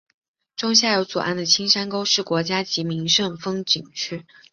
中下游左岸的青山沟是国家级风景名胜区。